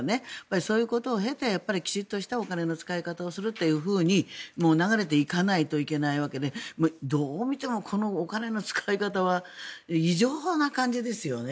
そういうことを経てきちんとしたお金の使い方をするって流れていかないといけないわけでどう見てもこのお金の使い方は異常な感じですよね。